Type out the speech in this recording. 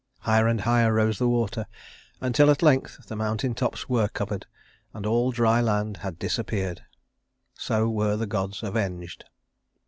Higher and higher rose the water, until at length the mountain tops were covered, and all dry land had disappeared. So were the gods avenged.